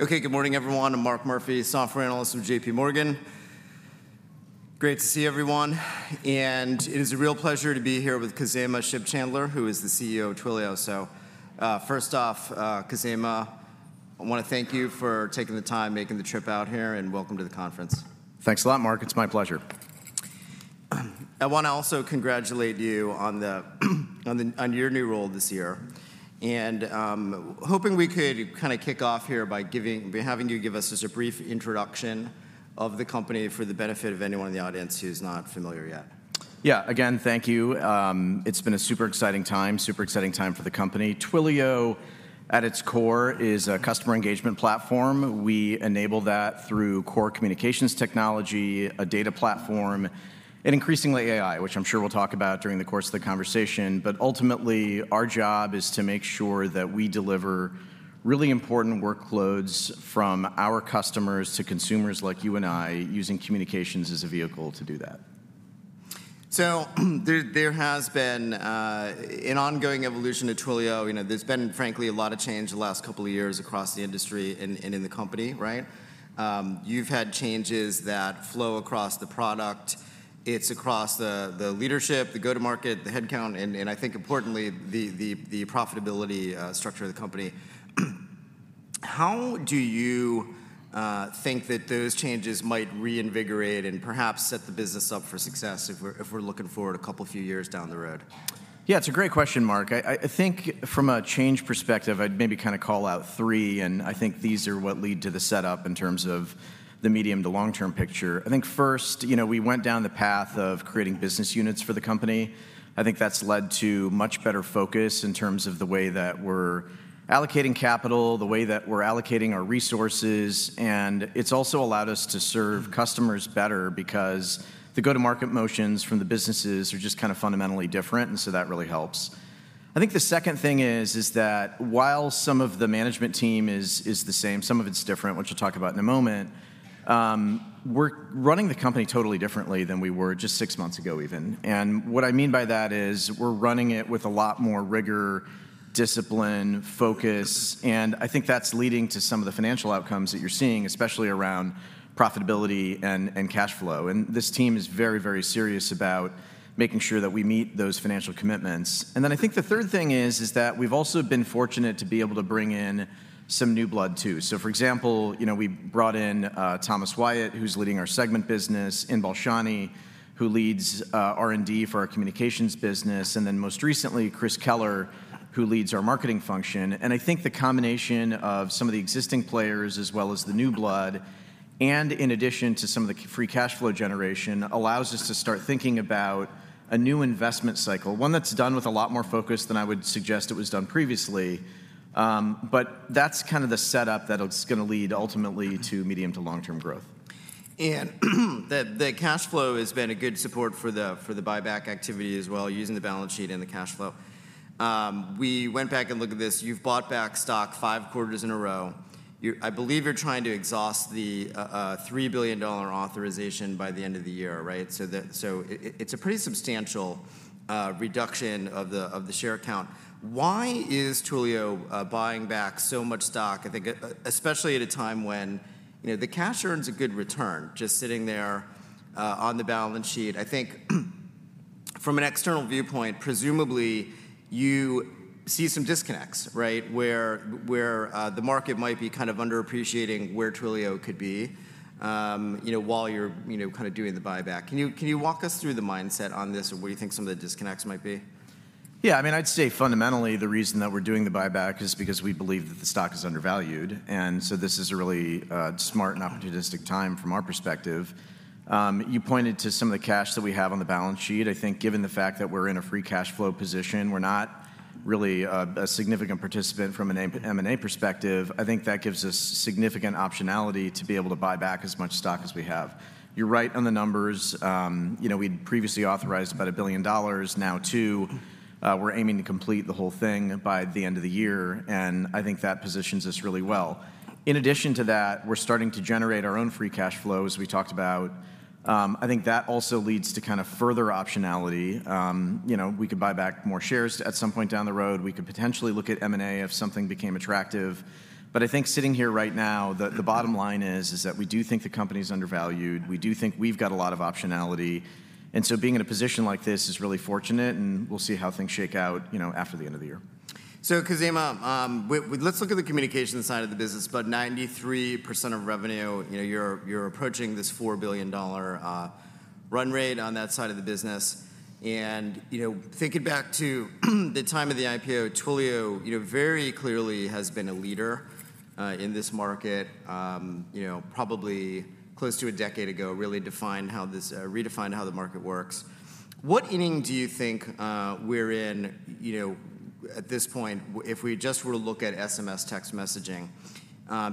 Okay, good morning, everyone. I'm Mark Murphy, Software Analyst from JPMorgan. Great to see everyone, and it is a real pleasure to be here with Khozema Shipchandler, who is the CEO of Twilio. So, first off, Khozema, I want to thank you for taking the time, making the trip out here, and welcome to the conference. Thanks a lot, Mark. It's my pleasure. I want to also congratulate you on your new role this year, and hoping we could kind of kick off here by having you give us just a brief introduction of the company for the benefit of anyone in the audience who's not familiar yet. Yeah, again, thank you. It's been a super exciting time, super exciting time for the company. Twilio, at its core, is a customer engagement platform. We enable that through core communications technology, a data platform, and increasingly AI, which I'm sure we'll talk about during the course of the conversation. But ultimately, our job is to make sure that we deliver really important workloads from our customers to consumers like you and I, using communications as a vehicle to do that. So, there has been an ongoing evolution at Twilio. You know, there's been, frankly, a lot of change the last couple of years across the industry and in the company, right? You've had changes that flow across the product. It's across the leadership, the go-to-market, the headcount, and I think importantly, the profitability structure of the company. How do you think that those changes might reinvigorate and perhaps set the business up for success if we're looking forward a couple, few years down the road? Yeah, it's a great question, Mark. I think from a change perspective, I'd maybe kind of call out three, and I think these are what lead to the setup in terms of the medium to long-term picture. I think first, you know, we went down the path of creating business units for the company. I think that's led to much better focus in terms of the way that we're allocating capital, the way that we're allocating our resources, and it's also allowed us to serve customers better, because the go-to-market motions from the businesses are just kind of fundamentally different, and so that really helps. I think the second thing is that while some of the management team is the same, some of it's different, which we'll talk about in a moment. We're running the company totally differently than we were just six months ago, even. And what I mean by that is, we're running it with a lot more rigor, discipline, focus, and I think that's leading to some of the financial outcomes that you're seeing, especially around profitability and cash flow. And this team is very, very serious about making sure that we meet those financial commitments. And then I think the third thing is that we've also been fortunate to be able to bring in some new blood, too. So, for example, you know, we brought in, Thomas Wyatt, who's leading our Segment business, Inbal Shani, who leads, R&D for our Communications business, and then most recently, Chris Koehler, who leads our marketing function. And I think the combination of some of the existing players, as well as the new blood, and in addition to some of the free cash flow generation, allows us to start thinking about a new investment cycle, one that's done with a lot more focus than I would suggest it was done previously. But that's kind of the setup that it's gonna lead ultimately to medium to long-term growth. The cash flow has been a good support for the buyback activity as well, using the balance sheet and the cash flow. We went back and looked at this. You've bought back stock five quarters in a row. I believe you're trying to exhaust the $3 billion authorization by the end of the year, right? So it's a pretty substantial reduction of the share count. Why is Twilio buying back so much stock? I think, especially at a time when, you know, the cash earns a good return, just sitting there on the balance sheet. I think, from an external viewpoint, presumably, you see some disconnects, right? Where the market might be kind of underappreciating where Twilio could be, you know, kind of doing the buyback. Can you walk us through the mindset on this, and what do you think some of the disconnects might be? Yeah, I mean, I'd say fundamentally, the reason that we're doing the buyback is because we believe that the stock is undervalued, and so this is a really smart and opportunistic time from our perspective. You pointed to some of the cash that we have on the balance sheet. I think given the fact that we're in a free cash flow position, we're not really a significant participant from an M&A perspective. I think that gives us significant optionality to be able to buy back as much stock as we have. You're right on the numbers. You know, we'd previously authorized about $1 billion, now $2 billion. We're aiming to complete the whole thing by the end of the year, and I think that positions us really well. In addition to that, we're starting to generate our own free cash flow, as we talked about. I think that also leads to kind of further optionality. You know, we could buy back more shares at some point down the road. We could potentially look at M&A if something became attractive. But I think sitting here right now, the bottom line is that we do think the company is undervalued. We do think we've got a lot of optionality, and so being in a position like this is really fortunate, and we'll see how things shake out, you know, after the end of the year. So, Khozema, let's look at the communication side of the business. About 93% of revenue, you know, you're, you're approaching this $4 billion run rate on that side of the business. And, you know, thinking back to the time of the IPO, Twilio, you know, very clearly has been a leader, in this market, you know, probably close to a decade ago, really defined how this, redefined how the market works. What inning do you think, we're in, you know, at this point, if we just were to look at SMS text messaging?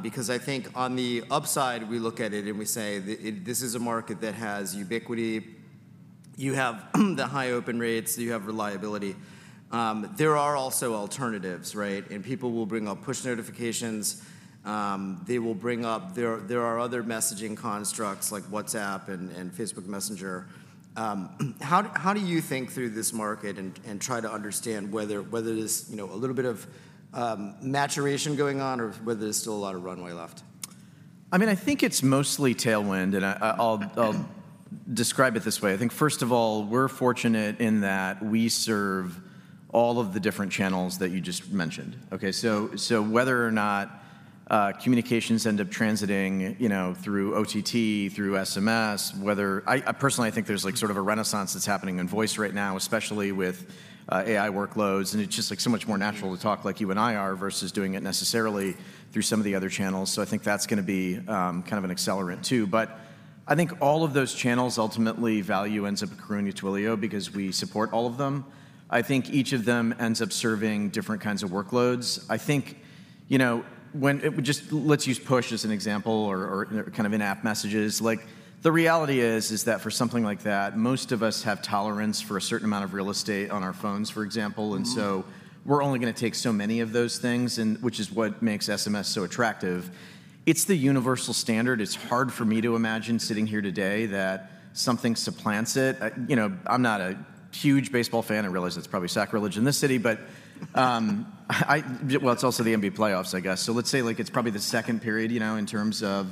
Because I think on the upside, we look at it, and we say, "this is a market that has ubiquity." You have the high open rates, you have reliability. There are also alternatives, right? People will bring up push notifications. They will bring up other messaging constructs, like WhatsApp and Facebook Messenger. How do you think through this market and try to understand whether there's, you know, a little bit of maturation going on, or whether there's still a lot of runway left?... I mean, I think it's mostly tailwind, and I'll describe it this way. I think, first of all, we're fortunate in that we serve all of the different channels that you just mentioned, okay? So whether or not communications end up transiting, you know, through OTT, through SMS, whether I personally, I think there's, like, sort of a renaissance that's happening in voice right now, especially with AI workloads, and it's just, like, so much more natural to talk like you and I are, versus doing it necessarily through some of the other channels. So I think that's gonna be kind of an accelerant, too. But I think all of those channels ultimately value ends up accruing to Twilio because we support all of them. I think each of them ends up serving different kinds of workloads. I think, you know, let's use Push as an example or, or kind of in-app messages. Like, the reality is, is that for something like that, most of us have tolerance for a certain amount of real estate on our phones, for example. Mm-hmm. And so we're only gonna take so many of those things, and which is what makes SMS so attractive. It's the universal standard. It's hard for me to imagine sitting here today that something supplants it. You know, I'm not a huge baseball fan. I realize that's probably sacrilege in this city, but, well, it's also the NBA playoffs, I guess. So let's say, like, it's probably the second period, you know, in terms of,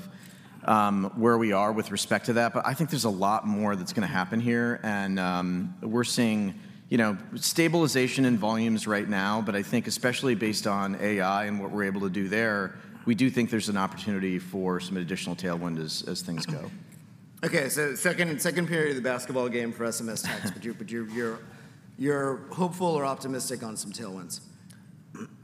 where we are with respect to that. But I think there's a lot more that's gonna happen here, and, we're seeing, you know, stabilization in volumes right now. But I think especially based on AI and what we're able to do there, we do think there's an opportunity for some additional tailwind as, as things go. Okay, so second period of the basketball game for SMS texts - but you're hopeful or optimistic on some tailwinds?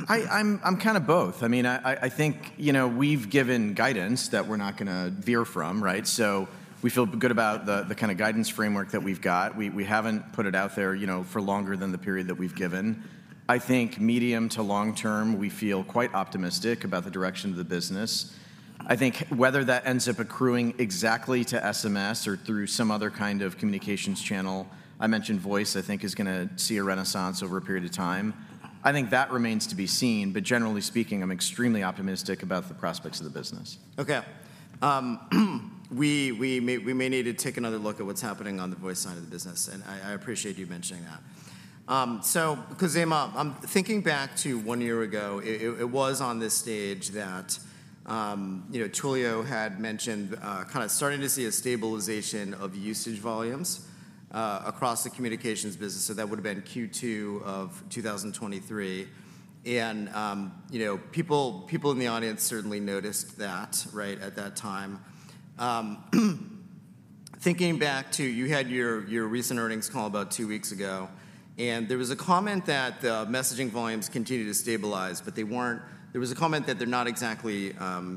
I'm kind of both. I mean, I think, you know, we've given guidance that we're not gonna veer from, right? So we feel good about the kind of guidance framework that we've got. We haven't put it out there, you know, for longer than the period that we've given. I think medium to long term, we feel quite optimistic about the direction of the business. I think whether that ends up accruing exactly to SMS or through some other kind of communications channel, I mentioned voice, I think, is gonna see a renaissance over a period of time. I think that remains to be seen, but generally speaking, I'm extremely optimistic about the prospects of the business. Okay. We may need to take another look at what's happening on the voice side of the business, and I appreciate you mentioning that. So Khozema, I'm thinking back to one year ago. It was on this stage that, you know, Twilio had mentioned kind of starting to see a stabilization of usage volumes across the communications business, so that would have been Q2 of 2023. And, you know, people in the audience certainly noticed that, right, at that time. Thinking back, you had your recent earnings call about two weeks ago, and there was a comment that the messaging volumes continued to stabilize, but they weren't. There was a comment that they're not exactly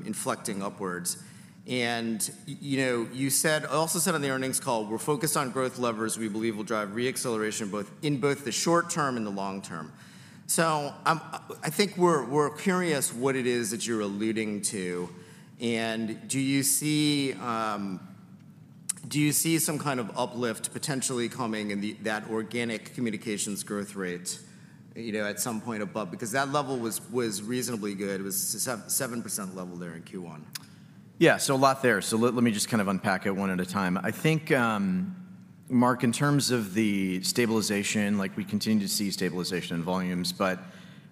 inflecting upwards. And you know, you said, also said on the earnings call, "We're focused on growth levers we believe will drive re-acceleration both, in both the short term and the long term." So, I think we're curious what it is that you're alluding to, and do you see some kind of uplift potentially coming in the, that organic communications growth rate, you know, at some point above? Because that level was reasonably good. It was seven percent level there in Q1. Yeah, so a lot there. So let me just kind of unpack it one at a time. I think, Mark, in terms of the stabilization, like we continue to see stabilization in volumes, but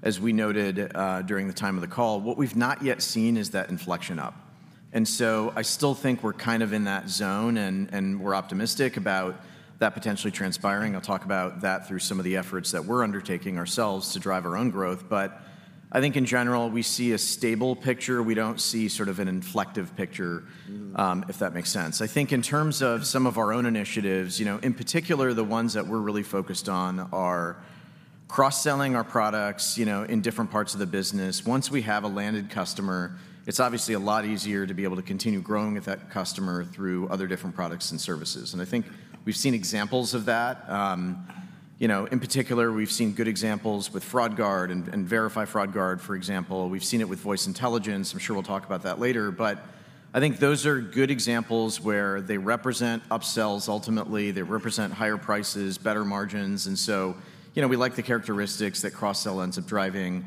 as we noted during the time of the call, what we've not yet seen is that inflection up. And so I still think we're kind of in that zone, and we're optimistic about that potentially transpiring. I'll talk about that through some of the efforts that we're undertaking ourselves to drive our own growth. But I think in general, we see a stable picture. We don't see sort of an inflective picture- Mm... if that makes sense. I think in terms of some of our own initiatives, you know, in particular, the ones that we're really focused on are cross-selling our products, you know, in different parts of the business. Once we have a landed customer, it's obviously a lot easier to be able to continue growing with that customer through other different products and services, and I think we've seen examples of that. You know, in particular, we've seen good examples with Fraud Guard and, and Verify Fraud Guard, for example. We've seen it with Voice Intelligence. I'm sure we'll talk about that later. But I think those are good examples where they represent upsells. Ultimately, they represent higher prices, better margins, and so, you know, we like the characteristics that cross-sell ends up driving.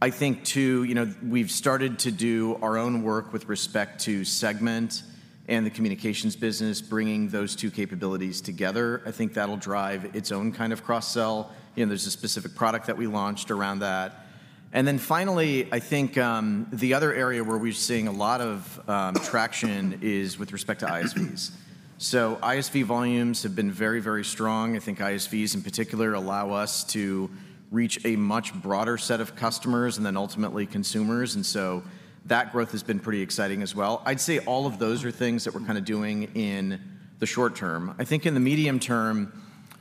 I think, too, you know, we've started to do our own work with respect to Segment and the communications business, bringing those two capabilities together. I think that'll drive its own kind of cross-sell. You know, there's a specific product that we launched around that. And then finally, I think the other area where we're seeing a lot of traction is with respect to ISVs. So ISV volumes have been very, very strong. I think ISVs, in particular, allow us to reach a much broader set of customers and then ultimately consumers, and so that growth has been pretty exciting as well. I'd say all of those are things that we're kind of doing in the short term. I think in the medium term,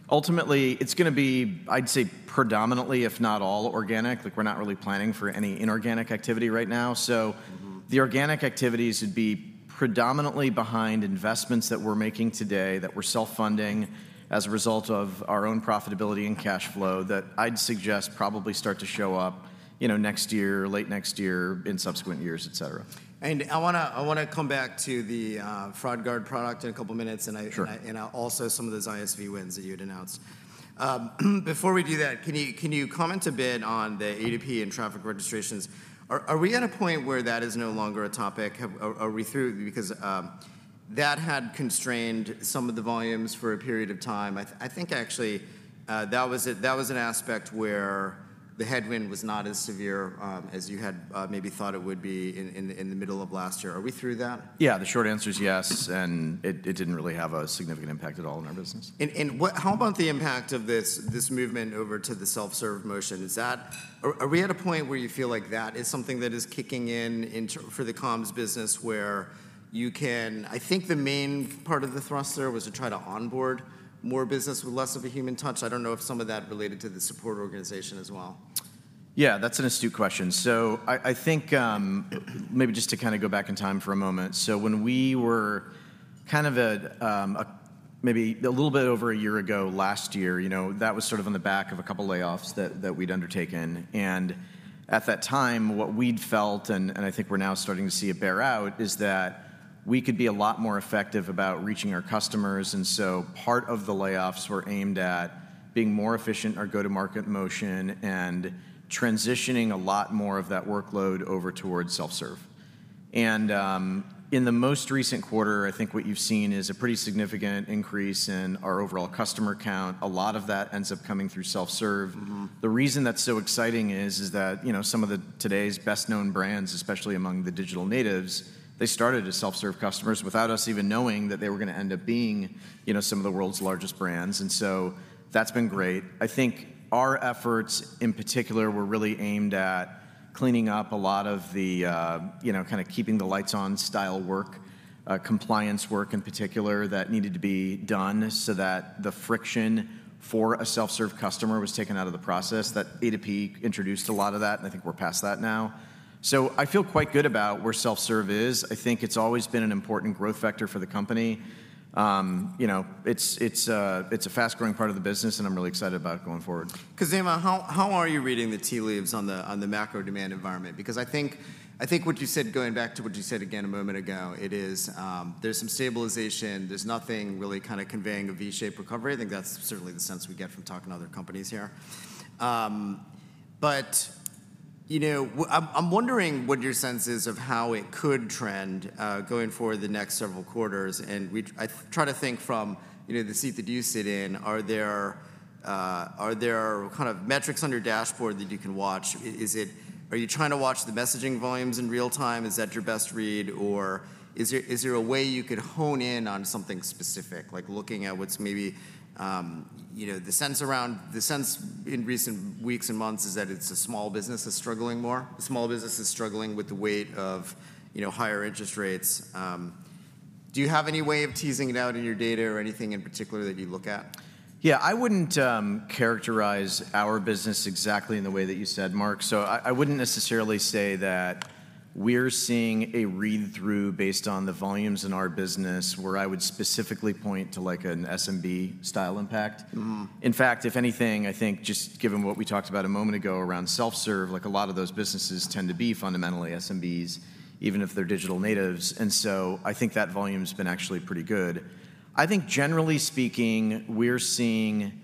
ultimately, it's gonna be, I'd say, predominantly, if not all, organic. Like, we're not really planning for any inorganic activity right now. So- Mm-hmm... the organic activities would be predominantly behind investments that we're making today, that we're self-funding as a result of our own profitability and cash flow, that I'd suggest probably start to show up, you know, next year, late next year, in subsequent years, et cetera. I wanna, I wanna come back to the Fraud Guard product in a couple of minutes, and I- Sure... and also some of those ISV wins that you'd announced. Before we do that, can you comment a bit on the A2P and traffic registrations? Are we at a point where that is no longer a topic? Have we... Are we through? Because that had constrained some of the volumes for a period of time. I think actually that was an aspect where the headwind was not as severe as you had maybe thought it would be in the middle of last year. Are we through that? Yeah, the short answer is yes, and it, it didn't really have a significant impact at all on our business. How about the impact of this movement over to the self-serve motion? Are we at a point where you feel like that is something that is kicking in in terms of the comms business, where you can? I think the main part of the thrust there was to try to onboard more business with less of a human touch. I don't know if some of that related to the support organization as well. Yeah, that's an astute question. So I think, maybe just to kind of go back in time for a moment. So when we were kind of maybe a little bit over a year ago last year, you know, that was sort of on the back of a couple layoffs that we'd undertaken. And at that time, what we'd felt, and I think we're now starting to see it bear out, is that we could be a lot more effective about reaching our customers. And so part of the layoffs were aimed at being more efficient, our go-to-market motion, and transitioning a lot more of that workload over towards self-serve. And in the most recent quarter, I think what you've seen is a pretty significant increase in our overall customer count. A lot of that ends up coming through self-serve. Mm-hmm. The reason that's so exciting is that, you know, some of today's best-known brands, especially among the digital natives, they started as self-serve customers without us even knowing that they were gonna end up being, you know, some of the world's largest brands. And so that's been great. I think our efforts, in particular, were really aimed at cleaning up a lot of the, you know, kind of keeping the lights on style work, compliance work in particular, that needed to be done so that the friction for a self-serve customer was taken out of the process, that A2P introduced a lot of that, and I think we're past that now. So I feel quite good about where self-serve is. I think it's always been an important growth vector for the company. You know, it's a fast-growing part of the business, and I'm really excited about it going forward. Khozema, how are you reading the tea leaves on the macro demand environment? Because I think, I think what you said, going back to what you said again a moment ago, it is, there's some stabilization. There's nothing really kind of conveying a V-shaped recovery. I think that's certainly the sense we get from talking to other companies here. But, you know, I'm wondering what your sense is of how it could trend going forward the next several quarters. I try to think from, you know, the seat that you sit in, are there kind of metrics on your dashboard that you can watch? Are you trying to watch the messaging volumes in real time? Is that your best read, or is there, is there a way you could hone in on something specific, like looking at what's maybe. You know, the sense around—the sense in recent weeks and months is that it's the small business that's struggling more. The small business is struggling with the weight of, you know, higher interest rates. Do you have any way of teasing it out in your data or anything in particular that you look at? Yeah, I wouldn't characterize our business exactly in the way that you said, Mark. So I, I wouldn't necessarily say that we're seeing a read-through based on the volumes in our business, where I would specifically point to, like, an SMB-style impact. Mm-hmm. In fact, if anything, I think just given what we talked about a moment ago around self-serve, like, a lot of those businesses tend to be fundamentally SMBs, even if they're digital natives, and so I think that volume's been actually pretty good. I think generally speaking, we're seeing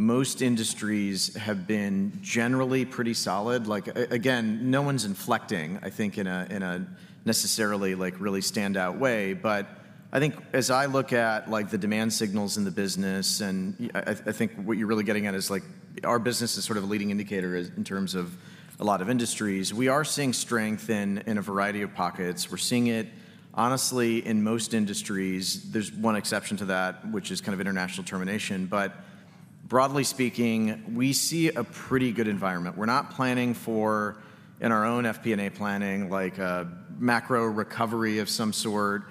most industries have been generally pretty solid. Like, again, no one's inflecting, I think, in a necessarily, like, really standout way. But I think as I look at, like, the demand signals in the business, and I think what you're really getting at is, like, our business is sort of a leading indicator in terms of a lot of industries. We are seeing strength in a variety of pockets. We're seeing it honestly in most industries. There's one exception to that, which is kind of international termination. But broadly speaking, we see a pretty good environment. We're not planning for, in our own FP&A planning, like, a macro recovery of some sort.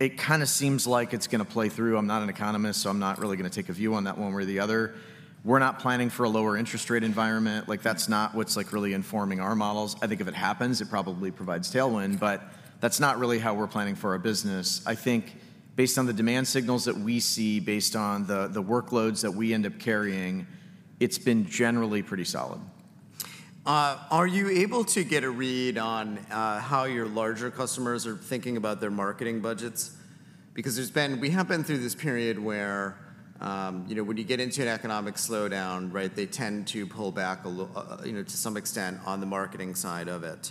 It kind of seems like it's gonna play through. I'm not an economist, so I'm not really gonna take a view on that one way or the other. We're not planning for a lower interest rate environment. Like, that's not what's, like, really informing our models. I think if it happens, it probably provides tailwind, but that's not really how we're planning for our business. I think based on the demand signals that we see, based on the, the workloads that we end up carrying, it's been generally pretty solid. Are you able to get a read on how your larger customers are thinking about their marketing budgets? Because we have been through this period where, you know, when you get into an economic slowdown, right, they tend to pull back a little, you know, to some extent on the marketing side of it.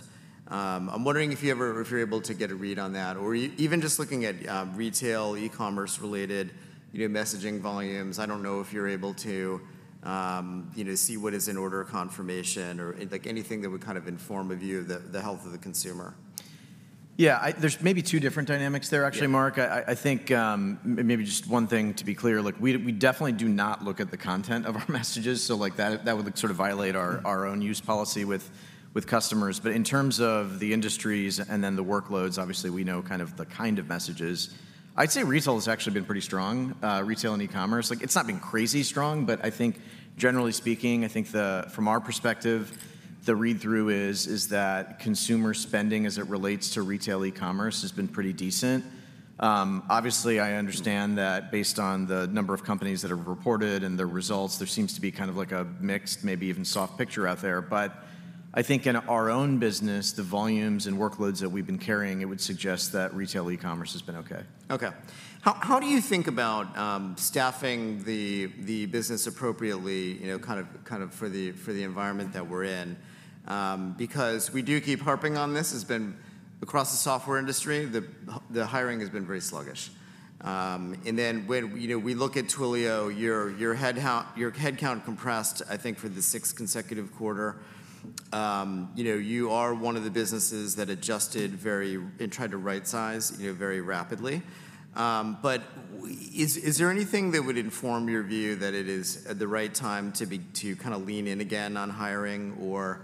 I'm wondering if you ever- if you're able to get a read on that, or even just looking at retail, e-commerce related, you know, messaging volumes. I don't know if you're able to, you know, see what is in order confirmation or, like, anything that would kind of inform a view of the health of the consumer. Yeah, there's maybe two different dynamics there, actually, Mark. Yeah. I think, maybe just one thing to be clear, like, we definitely do not look at the content of our messages. So, like, that would, like, sort of violate our- Mm... our own use policy with customers. But in terms of the industries and then the workloads, obviously, we know kind of the messages. I'd say retail has actually been pretty strong, retail and e-commerce. Like, it's not been crazy strong, but I think generally speaking, I think from our perspective, the read-through is that consumer spending, as it relates to retail e-commerce, has been pretty decent. Obviously, I understand that based on the number of companies that have reported and their results, there seems to be kind of like a mixed, maybe even soft picture out there. But I think in our own business, the volumes and workloads that we've been carrying, it would suggest that retail e-commerce has been okay. Okay. How do you think about staffing the business appropriately, you know, kind of for the environment that we're in? Because we do keep harping on this, it's been across the software industry, the hiring has been very sluggish. And then when, you know, we look at Twilio, your headcount compressed, I think for the sixth consecutive quarter. You know, you are one of the businesses that adjusted very, and tried to rightsize, you know, very rapidly. But is there anything that would inform your view that it is the right time to kind of lean in again on hiring? Or,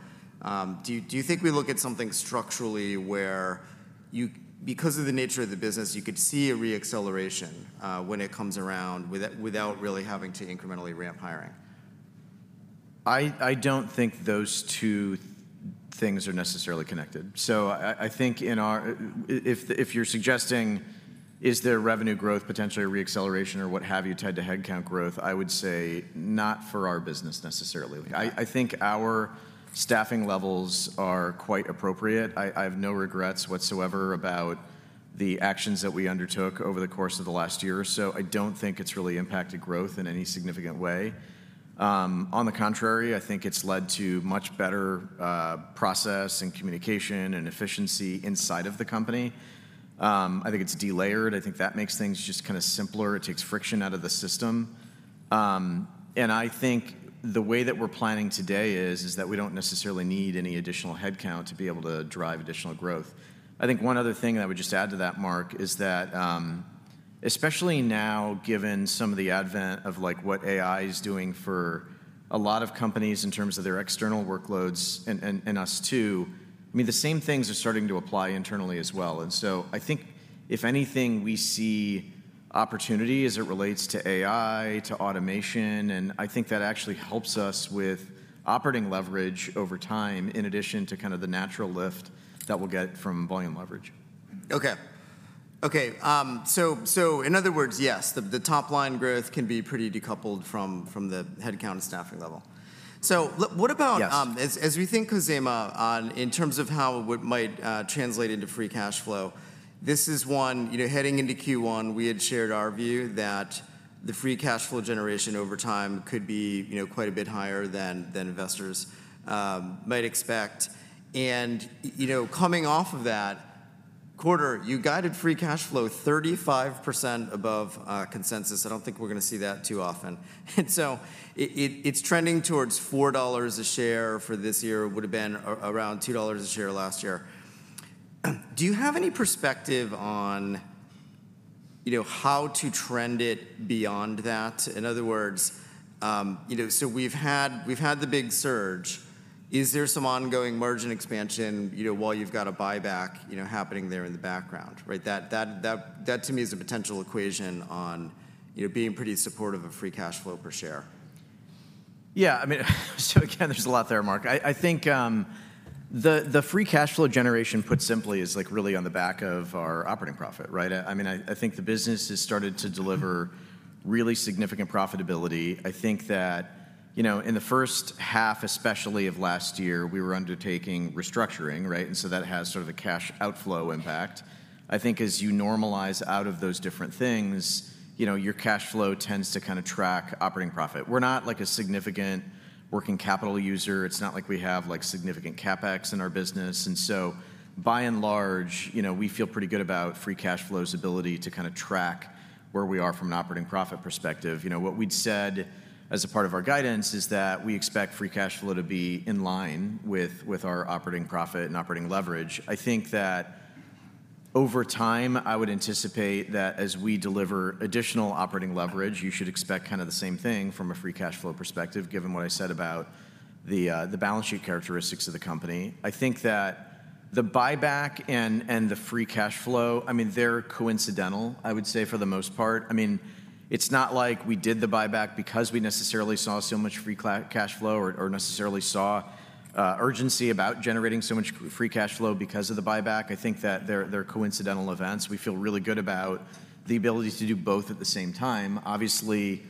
do you, do you think we look at something structurally where you, because of the nature of the business, you could see a re-acceleration, when it comes around, without really having to incrementally ramp hiring? I don't think those two things are necessarily connected. So I think if you're suggesting, "is there revenue growth, potentially re-acceleration or what have you, tied to headcount growth," I would say not for our business necessarily. Yeah. I think our staffing levels are quite appropriate. I have no regrets whatsoever about the actions that we undertook over the course of the last year or so. I don't think it's really impacted growth in any significant way. On the contrary, I think it's led to much better process and communication and efficiency inside of the company. I think it's de-layered. I think that makes things just kind of simpler. It takes friction out of the system. And I think the way that we're planning today is that we don't necessarily need any additional headcount to be able to drive additional growth. I think one other thing that I would just add to that, Mark, is that, especially now, given some of the advent of, like, what AI is doing for a lot of companies in terms of their external workloads, and us too, I mean, the same things are starting to apply internally as well. And so I think if anything, we see opportunity as it relates to AI, to automation, and I think that actually helps us with operating leverage over time, in addition to kind of the natural lift that we'll get from volume leverage. Okay. Okay, so in other words, yes, the top-line growth can be pretty decoupled from the headcount and staffing level. So what about- Yes. As we think, Khozema, in terms of how it would might translate into free cash flow, this is one. You know, heading into Q1, we had shared our view that the free cash flow generation over time could be, you know, quite a bit higher than investors might expect. You know, coming off of that quarter, you guided free cash flow 35% above consensus. I don't think we're going to see that too often. So it, it's trending towards $4 a share for this year, would've been around $2 a share last year. Do you have any perspective on, you know, how to trend it beyond that? In other words, you know, so we've had, we've had the big surge. Is there some ongoing margin expansion, you know, while you've got a buyback, you know, happening there in the background, right? That to me is a potential equation on, you know, being pretty supportive of free cash flow per share. Yeah, I mean, so again, there's a lot there, Mark. I think the free cash flow generation, put simply, is, like, really on the back of our operating profit, right? I mean, I think the business has started to deliver really significant profitability. I think that, you know, in the first half, especially of last year, we were undertaking restructuring, right? And so that has sort of a cash outflow impact. I think as you normalize out of those different things, you know, your cash flow tends to kind of track operating profit. We're not, like, a significant working capital user. It's not like we have, like, significant CapEx in our business. And so, by and large, you know, we feel pretty good about free cash flow's ability to kind of track where we are from an operating profit perspective. You know, what we'd said as a part of our guidance is that we expect free cash flow to be in line with, with our operating profit and operating leverage. I think that over time, I would anticipate that as we deliver additional operating leverage, you should expect kind of the same thing from a free cash flow perspective, given what I said about the, the balance sheet characteristics of the company. I think that the buyback and, and the free cash flow, I mean, they're coincidental, I would say for the most part. I mean, it's not like we did the buyback because we necessarily saw so much free cash flow or, or necessarily saw, urgency about generating so much free cash flow because of the buyback. I think that they're, they're coincidental events. We feel really good about the ability to do both at the same time. Obviously,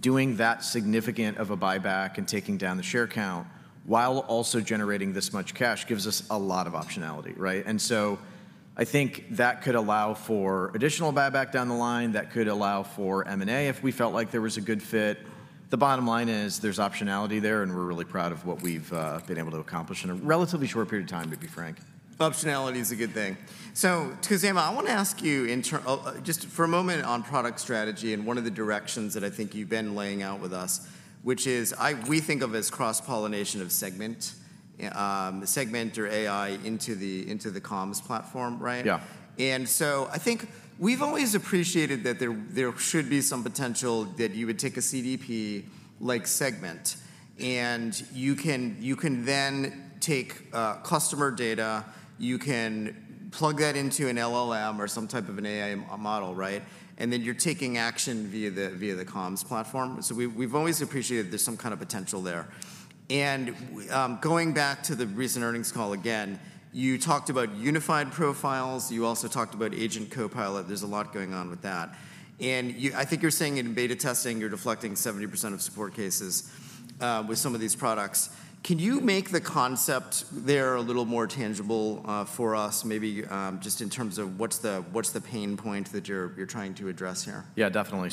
doing that significant of a buyback and taking down the share count while also generating this much cash, gives us a lot of optionality, right? And so I think that could allow for additional buyback down the line. That could allow for M&A if we felt like there was a good fit. The bottom line is there's optionality there, and we're really proud of what we've been able to accomplish in a relatively short period of time, to be frank. Optionality is a good thing. So Khozema, I want to ask you just for a moment on product strategy and one of the directions that I think you've been laying out with us, which is, we think of as cross-pollination of Segment, Segment or AI into the, into the comms platform, right? Yeah. And so I think we've always appreciated that there should be some potential that you would take a CDP-like Segment, and you can then take customer data, you can plug that into an LLM or some type of an AI model, right? And then you're taking action via the comms platform. So we've always appreciated there's some kind of potential there. And going back to the recent earnings call again, you talked about Unified Profiles. You also talked about Agent Copilot. There's a lot going on with that. And I think you're saying in beta testing, you're deflecting 70% of support cases with some of these products. Can you make the concept there a little more tangible, for us, maybe, just in terms of what's the pain point that you're trying to address here? Yeah, definitely.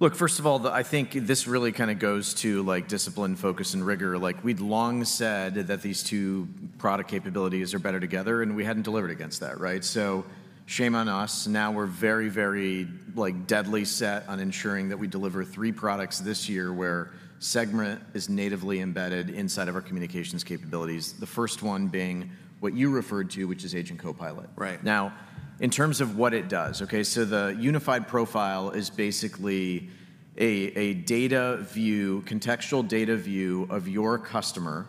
So, Look, first of all, the, I think this really kind of goes to, like, discipline, focus, and rigor. Like, we'd long said that these two product capabilities are better together, and we hadn't delivered against that, right? So shame on us. Now we're very, very, like, deadly set on ensuring that we deliver three products this year, where Segment is natively embedded inside of our communications capabilities. The first one being what you referred to, which is Agent Copilot. Right. Now, in terms of what it does, okay, so the Unified Profile is basically a data view, contextual data view of your customer,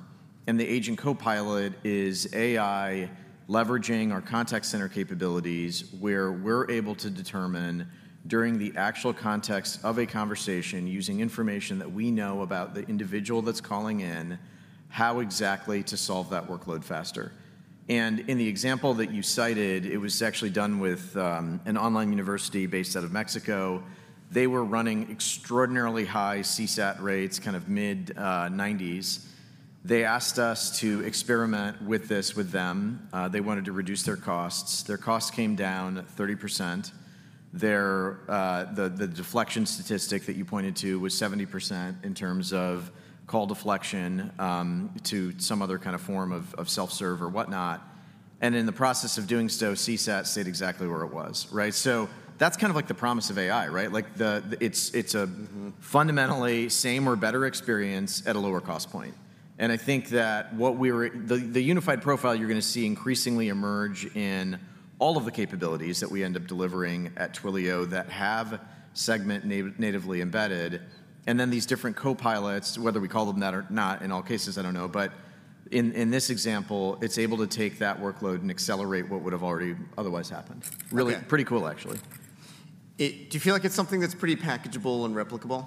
and the Agent Copilot is AI leveraging our contact center capabilities, where we're able to determine, during the actual context of a conversation, using information that we know about the individual that's calling in, how exactly to solve that workload faster. And in the example that you cited, it was actually done with an online university based out of Mexico. They were running extraordinarily high CSAT rates, kind of mid-90s. They asked us to experiment with this with them. They wanted to reduce their costs. Their costs came down 30%. The deflection statistic that you pointed to was 70% in terms of call deflection to some other kind of form of self-serve or whatnot. In the process of doing so, CSAT stayed exactly where it was, right? So that's kind of like the promise of AI, right? Like, it's a- Mm-hmm... fundamentally same or better experience at a lower cost point. And I think that what we were—the Unified Profile you're gonna see increasingly emerge in all of the capabilities that we end up delivering at Twilio that have Segment natively embedded, and then these different copilots, whether we call them that or not, in all cases, I don't know, but in this example, it's able to take that workload and accelerate what would've already otherwise happened. Okay. Really, pretty cool, actually. Do you feel like it's something that's pretty packageable and replicable?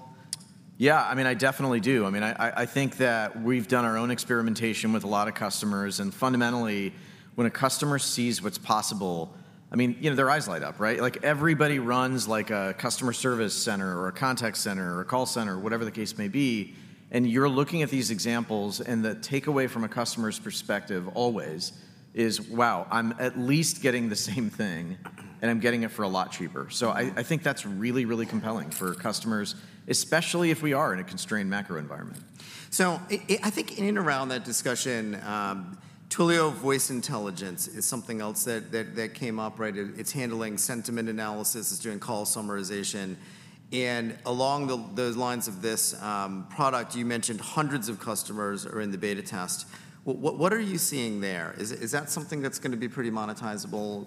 Yeah, I mean, I definitely do. I mean, I think that we've done our own experimentation with a lot of customers, and fundamentally, when a customer sees what's possible, I mean, you know, their eyes light up, right? Like, everybody runs, like, a customer service center or a contact center or a call center, whatever the case may be, and you're looking at these examples, and the takeaway from a customer's perspective always is, "Wow, I'm at least getting the same thing, and I'm getting it for a lot cheaper. Mm-hmm. I think that's really, really compelling for customers, especially if we are in a constrained macro environment. So, I think in and around that discussion, Twilio Voice Intelligence is something else that came up, right? It's handling sentiment analysis, it's doing call summarization, and along the lines of this product, you mentioned hundreds of customers are in the beta test. What are you seeing there? Is that something that's gonna be pretty monetizable?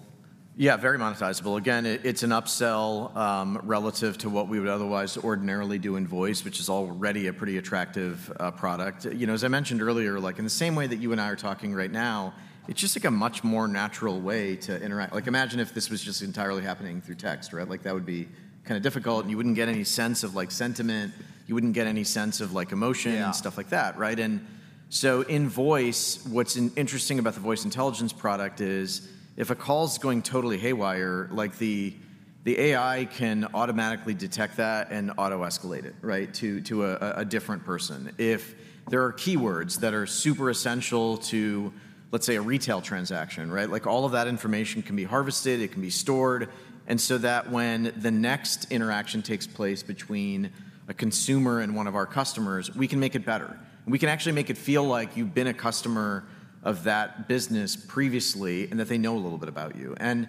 Yeah, very monetizable. Again, it, it's an upsell, relative to what we would otherwise ordinarily do in Voice, which is already a pretty attractive product. You know, as I mentioned earlier, like, in the same way that you and I are talking right now, it's just, like, a much more natural way to interact. Like, imagine if this was just entirely happening through text, right? Like, that would be kinda difficult, and you wouldn't get any sense of, like, sentiment. You wouldn't get any sense of, like, emotion- Yeah... and stuff like that, right? And so in Voice, what's interesting about the Voice Intelligence product is, if a call's going totally haywire, like, the AI can automatically detect that and auto-escalate it, right, to a different person. If there are keywords that are super essential to, let's say, a retail transaction, right, like, all of that information can be harvested, it can be stored, and so that when the next interaction takes place between a consumer and one of our customers, we can make it better. And we can actually make it feel like you've been a customer of that business previously and that they know a little bit about you. And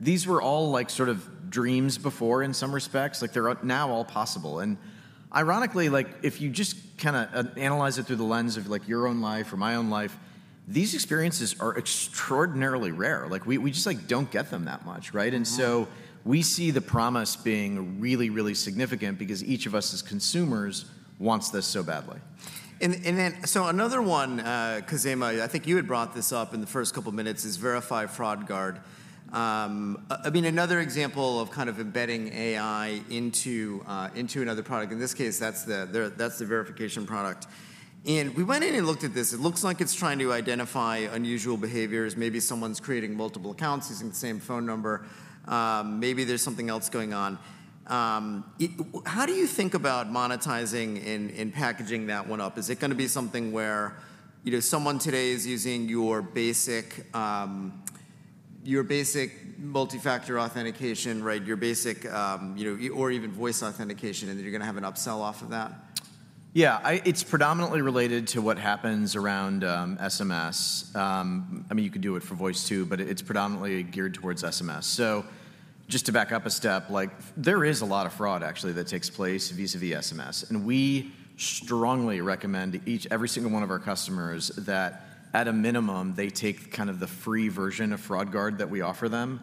these were all, like, sort of dreams before in some respects, like, they're now all possible. Ironically, like, if you just kinda analyze it through the lens of, like, your own life or my own life, these experiences are extraordinarily rare. Like, we just, like, don't get them that much, right? Mm-hmm. And so we see the promise being really, really significant because each of us as consumers wants this so badly. Another one, Khozema, I think you had brought this up in the first couple minutes, is Verify Fraud Guard. I mean, another example of kind of embedding AI into another product. In this case, that's the verification product. And we went in and looked at this. It looks like it's trying to identify unusual behaviors. Maybe someone's creating multiple accounts using the same phone number. Maybe there's something else going on. How do you think about monetizing and packaging that one up? Is it gonna be something where, you know, someone today is using your basic multi-factor authentication, right? Your basic, you know, or even voice authentication, and then you're gonna have an upsell off of that? Yeah. It's predominantly related to what happens around SMS. I mean, you could do it for voice too, but it's predominantly geared towards SMS. So just to back up a step, like, there is a lot of fraud, actually, that takes place vis-a-vis SMS, and we strongly recommend each, every single one of our customers that, at a minimum, they take kind of the free version of Fraud Guard that we offer them.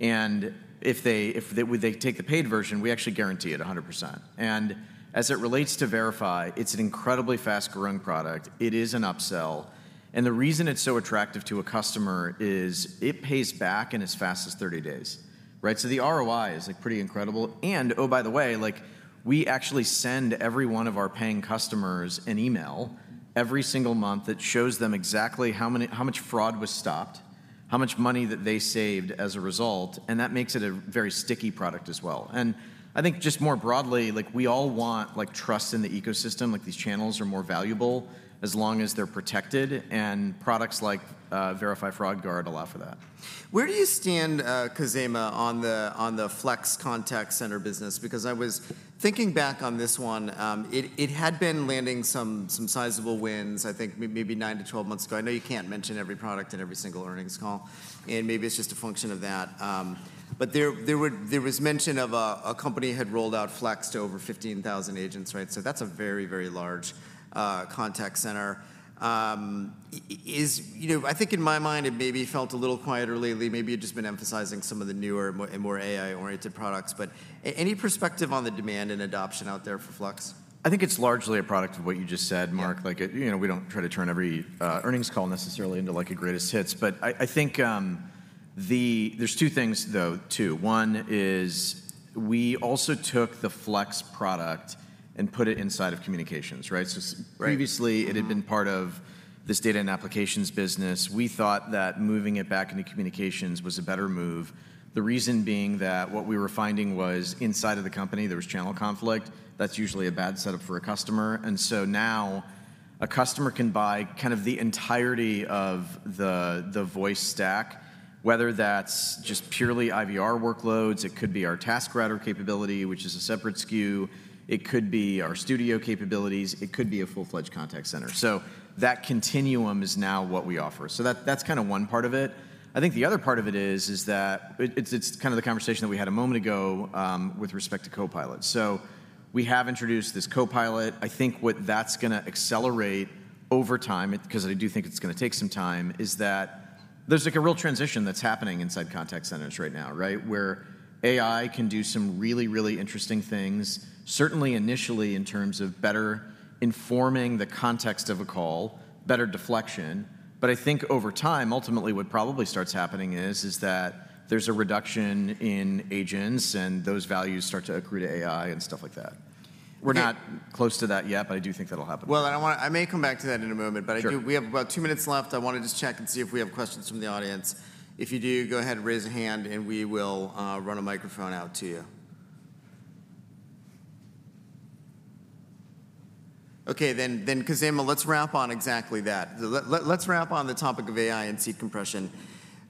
And if they take the paid version, we actually guarantee it 100%. And as it relates to Verify, it's an incredibly fast-growing product. It is an upsell, and the reason it's so attractive to a customer is it pays back in as fast as 30 days, right? So the ROI is, like, pretty incredible, and oh, by the way, like, we actually send every one of our paying customers an email every single month that shows them exactly how much fraud was stopped, how much money that they saved as a result, and that makes it a very sticky product as well. And I think just more broadly, like, we all want, like, trust in the ecosystem. Like, these channels are more valuable as long as they're protected, and products like Verify Fraud Guard allow for that. Where do you stand, Khozema, on the Flex contact center business? Because I was thinking back on this one, it had been landing some sizable wins, I think maybe 9-12 months ago. I know you can't mention every product in every single earnings call, and maybe it's just a function of that. But there was mention of a company had rolled out Flex to over 15,000 agents, right? So that's a very, very large contact center. You know, I think in my mind, it maybe felt a little quieter lately. Maybe you've just been emphasizing some of the newer, more and more AI-oriented products, but any perspective on the demand and adoption out there for Flex? I think it's largely a product of what you just said, Mark. Yeah. Like, you know, we don't try to turn every earnings call necessarily into, like, a greatest hits. But I, I think. There's two things, though, too. One is, we also took the Flex product and put it inside of communications, right? Right. Mm-hmm. So previously, it had been part of this Data and Applications business. We thought that moving it back into communications was a better move, the reason being that what we were finding was, inside of the company, there was channel conflict. That's usually a bad setup for a customer. And so now, a customer can buy kind of the entirety of the voice stack, whether that's just purely IVR workloads, it could be our TaskRouter capability, which is a separate SKU, it could be our Studio capabilities, it could be a full-fledged contact center. So that continuum is now what we offer. So that, that's kinda one part of it. I think the other part of it is that... It's kinda the conversation that we had a moment ago, with respect to Copilot. So we have introduced this Copilot. I think what that's gonna accelerate over time, because I do think it's gonna take some time, is that there's, like, a real transition that's happening inside contact centers right now, right? Where AI can do some really, really interesting things, certainly initially in terms of better informing the context of a call, better deflection. But I think over time, ultimately, what probably starts happening is, is that there's a reduction in agents, and those values start to accrue to AI and stuff like that. Okay. We're not close to that yet, but I do think that'll happen. Well, I don't wanna... I may come back to that in a moment, but- Sure... We have about 2 minutes left. I wanna just check and see if we have questions from the audience. If you do, go ahead and raise a hand, and we will run a microphone out to you. Okay, then, Khozema, let's wrap on exactly that. Let's wrap on the topic of AI and seat compression.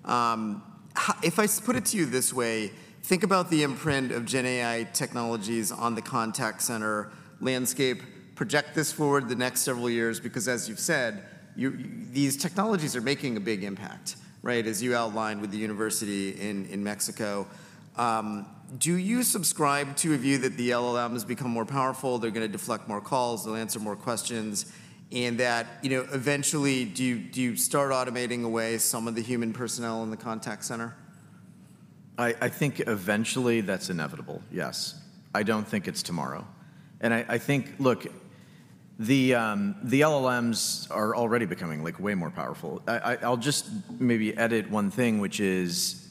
If I put it to you this way: think about the imprint of gen AI technologies on the contact center landscape. Project this forward the next several years, because, as you've said, you these technologies are making a big impact, right? As you outlined with the university in Mexico. Do you subscribe to a view that the LLM has become more powerful, they're gonna deflect more calls, they'll answer more questions, and that, you know, eventually, do you, do you start automating away some of the human personnel in the contact center? I think eventually, that's inevitable, yes. I don't think it's tomorrow. I think... Look, the LLMs are already becoming, like, way more powerful. I'll just maybe add in one thing, which is,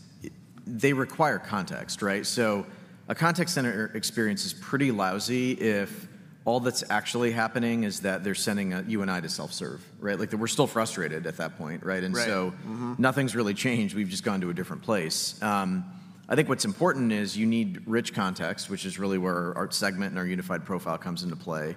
they require context, right? So a contact center experience is pretty lousy if all that's actually happening is that they're sending you and I to self-serve, right? Like, we're still frustrated at that point, right? Right. Mm-hmm. Nothing's really changed. We've just gone to a different place. I think what's important is you need rich context, which is really where our Segment and our Unified Profile comes into play.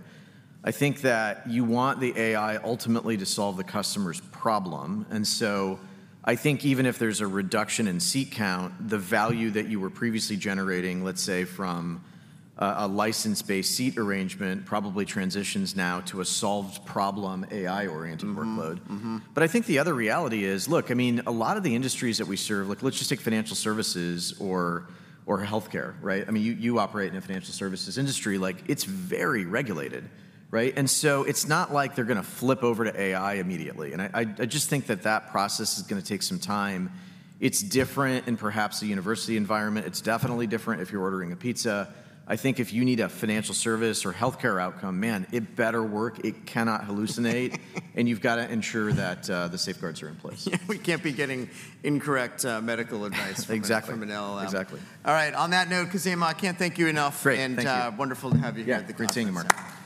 I think that you want the AI ultimately to solve the customer's problem, and so I think even if there's a reduction in seat count, the value that you were previously generating, let's say, from a license-based seat arrangement, probably transitions now to a solved problem, AI-oriented workload. Mm-hmm. Mm-hmm. But I think the other reality is, look, I mean, a lot of the industries that we serve, like, let's just take financial services or healthcare, right? I mean, you operate in a financial services industry. Like, it's very regulated, right? And so it's not like they're gonna flip over to AI immediately, and I just think that that process is gonna take some time. It's different in perhaps a university environment. It's definitely different if you're ordering a pizza. I think if you need a financial service or healthcare outcome, man, it better work. It cannot hallucinate... and you've gotta ensure that the safeguards are in place. We can't be getting incorrect, medical advice- Exactly... from an LLM. Exactly. All right, on that note, Khozema, I can't thank you enough. Great, thank you. Wonderful to have you here at the conference. Yeah, good seeing you, Mark.